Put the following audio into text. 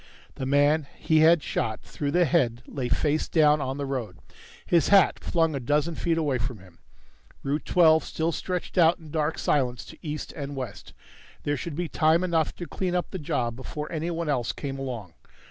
The man he had shot through the head lay face down on the road, his hat flung a dozen feet away from him. Route Twelve still stretched out in dark silence to east and west. There should be time enough to clean up the job before anyone else came along.